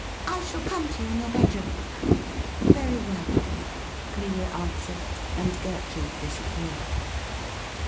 I shall come to you in your bedroom.' 'Very well, dear,' Clelia answered, and Gertrude dis appeared.